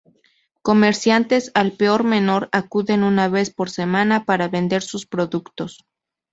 Comerciantes al por menor acuden una vez por semana para vender sus productos.